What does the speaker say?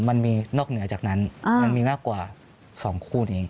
มันมีนอกเหนือจากนั้นมันมีมากกว่า๒คู่นี้